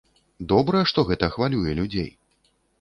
Добра, што гэта хвалюе людзей.